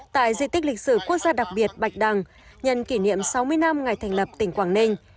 tại di tích lịch sử quốc gia đặc biệt bạch đằng nhân kỷ niệm sáu mươi năm ngày thành lập tỉnh quảng ninh